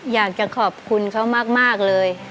อยากจะขอบคุณเขามากเลย